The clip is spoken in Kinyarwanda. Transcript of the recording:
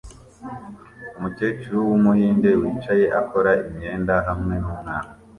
Umukecuru wumuhinde wicaye akora imyenda hamwe numwana